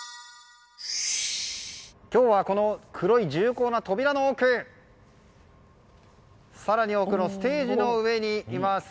今日はこの黒い重厚な扉の奥更に奥のステージの上にいます。